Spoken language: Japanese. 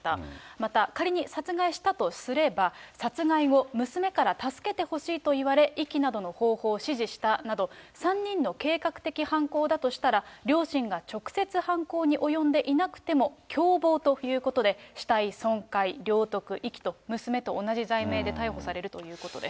また、仮に殺害したとすれば、殺害後、娘から助けてほしいと言われ、遺棄などの方法を指示したなど、３人の計画的犯行だとしたら、両親が直接犯行に及んでいなくても、共謀ということで、死体損壊、領得、遺棄と、娘と同じ罪名で逮捕されるということです。